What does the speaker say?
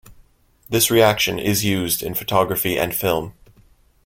This reaction is used in photography and film.